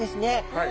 はい。